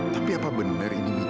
tapi apa benar dari ini mita